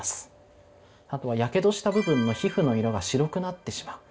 あとはやけどした部分の皮膚の色が白くなってしまう。